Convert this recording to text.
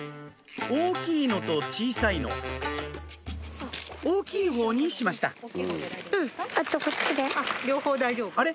大きいのと小さいの大きいほうにしましたあれ？